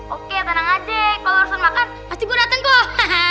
oke tenang aja kalo lo urusan makan pasti gua dateng kok